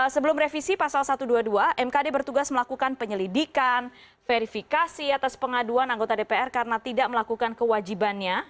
sebelum revisi pasal satu ratus dua puluh dua mkd bertugas melakukan penyelidikan verifikasi atas pengaduan anggota dpr karena tidak melakukan kewajibannya